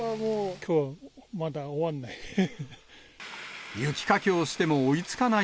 きょうはまだ終わんない。